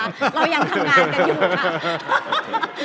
เรายังทำงานกันอยู่นะ